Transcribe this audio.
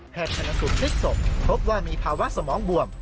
แพทย์คณสุทธิศศพพบว่ามีภาวะสมองบวม